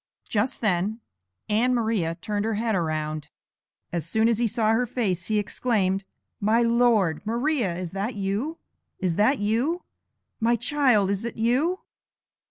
Just then Ann Maria turned her head around. As soon as he saw her face, he exclaimed: 'My Lord! Maria, is that you? Is that you? My child, is it you?